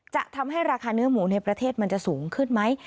จะทำให้ราคาเนื้อหมูในประเทศมันจะสูงขึ้นไหม